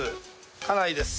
家内です。